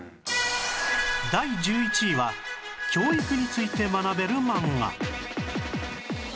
第１１位は教育について学べる漫画